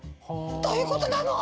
どういうことなの？